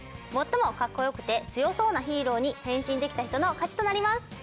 最も格好良くて強そうなヒーローに変身できた人の勝ちとなります。